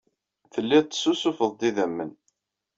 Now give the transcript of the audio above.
Telliḍ tessusufeḍ-d idammen.